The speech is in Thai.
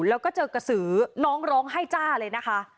แล้วก็เจอกระสือน้องร้องไห้จ้าเลยนะคะ